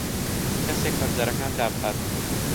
کەسێک پەنجەرەکان دابخات.